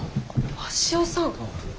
鷲尾さん？